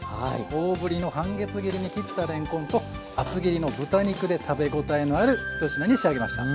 大ぶりの半月切りに切ったれんこんと厚切りの豚肉で食べ応えのある１品に仕上げました。